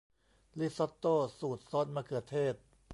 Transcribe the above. ริซอตโต้สูตรซอสมะเขือเทศ